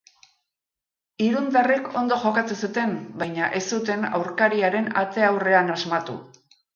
Irundarrek ondo jokatu zuten, baina ez zuten aurkariaren ate aurrean asmatu.